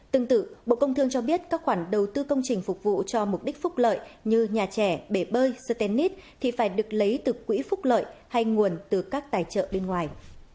tương tự bộ công thương cho biết các khoản đầu tư công trình phục vụ cho mục đích phúc lợi như nhà trẻ bể bơi ctanite thì phải được lấy từ quỹ phúc lợi hay nguồn từ các tài trợ bên ngoài